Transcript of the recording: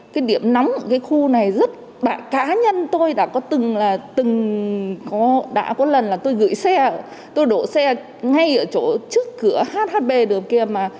cái điểm nóng ở cái khu này rất là cá nhân tôi đã có từng là từng có đã có lần là tôi gửi xe tôi đổ xe ngay ở chỗ trước cửa hhb đường kia mà